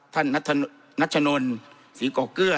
ท่านนัชนนสีกองเกลื้อ